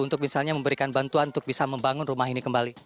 untuk misalnya memberikan bantuan untuk bisa membangun rumah ini kembali